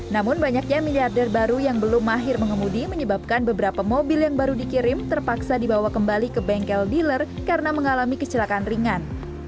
namun banyaknya miliarder baru yang belum mahir mengemudi menyebabkan beberapa mobil yang baru dikirim terpaksa dibawa kembali ke bengkel dealer karena mengalami kecelakaan ringan